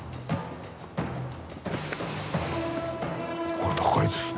これ高いですね。